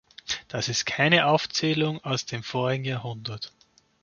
Das ist keine Aufzählung aus dem vorigen Jahrhundert.